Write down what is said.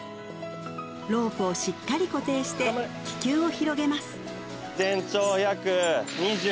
ロープをしっかり固定して気球を広げます